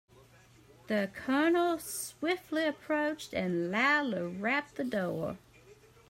The colonel swiftly approached and loudly rapped the door.